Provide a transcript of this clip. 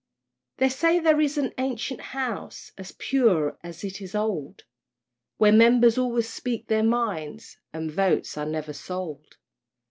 They say there is an ancient House, As pure as it is old, Where Members always speak their minds And votes are never sold.